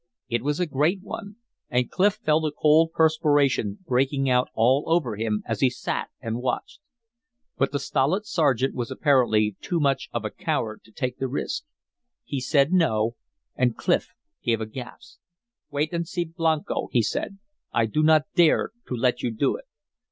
It was a great one, and Clif felt a cold perspiration breaking out all over him as he sat and watched. But the stolid sergeant was apparently too much of a coward to take the risk. He said no, and Clif gave a gasp. "Wait and see Blanco," he said. "I do not dare to let you do it."